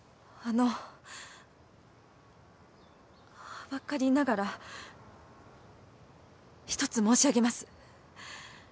はばかりながら一つ申し上げます。